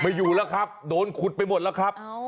อยู่แล้วครับโดนขุดไปหมดแล้วครับ